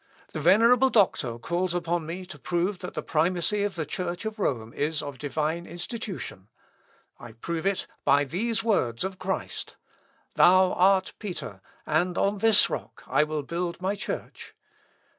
The venerable doctor calls upon me to prove that the primacy of the church of Rome is of divine institution I prove it by these words of Christ: '_Thou art Peter, and on this rock I will build my Church.